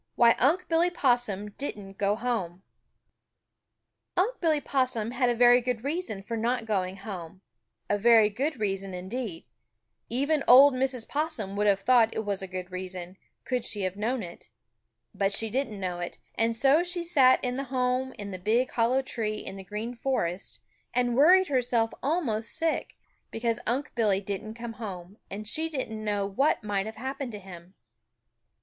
XVI WHY UNC' BILLY POSSUM DIDN'T GO HOME Unc' Billy Possum had a very good reason for not going home, a very good reason, indeed. Even old Mrs. Possum would have thought it was a good reason, could she have known it. But she didn't know it, and so she sat in the home in the big hollow tree in the Green Forest and worried herself almost sick, because Unc' Billy didn't come home, and she didn't know what might have happened to him.